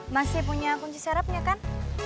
masih punya kunci syaratnya kan